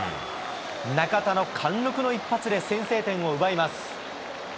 中田の貫禄の一発で先制点を奪います。